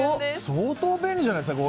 相当、便利じゃないですか。